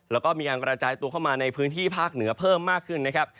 แล้วก็มีการกระจายตัวเข้ามาในพื้นที่ภาคเหนือเพิ่มมากขึ้นนะครับ